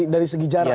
dari segi jarak